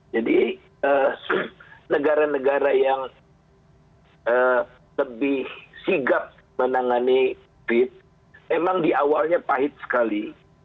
jadi negara negara yang lebih sigap menangani covid sembilan belas memang di awalnya pahit sekali